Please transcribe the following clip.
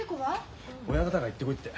親方が行ってこいって。